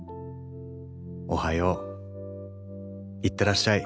「おはよう」「行ってらっしゃい」